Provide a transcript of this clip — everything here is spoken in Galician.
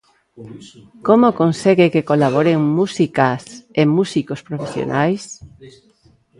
Como consegue que colaboren músicas e músicos profesionais?